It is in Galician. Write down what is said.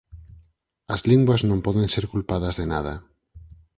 As linguas non poden ser culpadas de nada;